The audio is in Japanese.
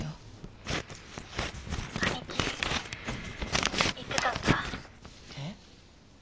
「兄貴言ってたんだ」え？